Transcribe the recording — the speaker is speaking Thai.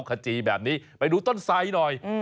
ขจีแบบนี้ไปดูต้นไสหน่อย